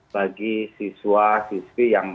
bagi siswa siswi yang